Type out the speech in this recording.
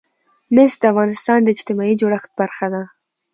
مس د افغانستان د اجتماعي جوړښت برخه ده.